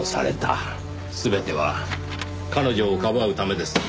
全ては彼女をかばうためです。